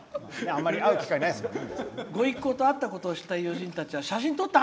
「ご一行と会ったことを知った友人たちは写真撮った？